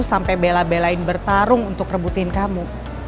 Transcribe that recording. sampai bela belain bertarung untuk rebutin kamu